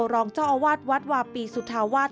รองเจ้าอาวาสวัดวาปีสุธาวาส